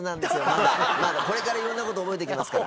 これからいろんなこと覚えていきますから。